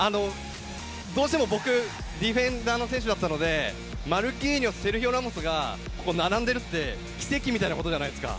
どうしても僕、ディフェンダーの選手だったので、マルキーニョス、セルヒオ・ラモスが並んでるって奇跡みたいなことじゃないですか。